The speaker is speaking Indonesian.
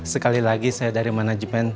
sekali lagi saya dari manajemen